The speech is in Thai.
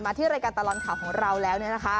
มาที่รายการตลอดข่าวของเราแล้วเนี่ยนะคะ